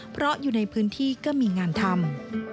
เพราะอยู่ในพื้นที่ก็มีงานทำ